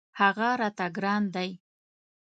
هغه راته ګران دی.